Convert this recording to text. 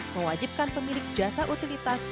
mewajibkan pemilik jasa utilitas